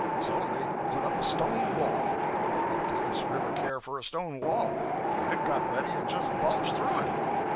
So they put up a stone wall. But what does the river care for a stone wall? When it got ready, it just bulged through it.